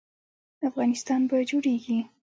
افغانستان به جوړیږي؟